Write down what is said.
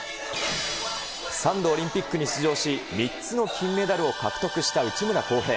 ３度オリンピックに出場し、３つの金メダルを獲得した内村航平。